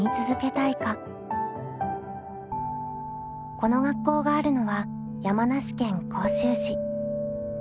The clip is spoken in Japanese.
この学校があるのは山梨県甲州市。